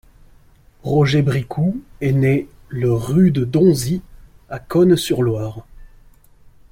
Roger Bricoux est né le rue de Donzy à Cosne-sur-Loire.